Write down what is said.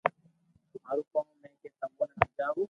مارو ڪوم ھي ڪي تمو ني ھمجاو